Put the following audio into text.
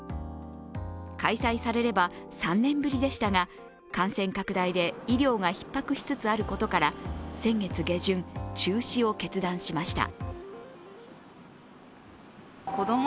開催されれば３年ぶりでしたが、感染拡大で医療がひっ迫しつつあることから先月下旬、中止を決断しました。